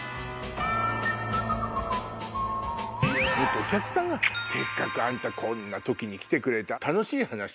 お客さんがせっかくあんたこんな時に来てくれた。